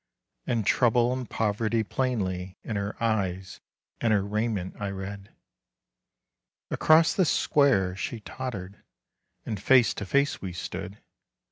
And trouble and poverty plainly In her eyes and her raiment I read. Across the square she tottered, And face to face we stood.